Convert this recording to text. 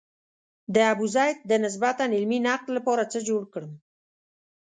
د ابوزید د نسبتاً علمي نقد لپاره څه جوړ کړم.